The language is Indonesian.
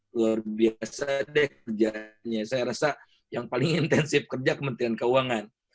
luar biasa deh kerjanya saya rasa yang paling intensif kerja kementerian keuangan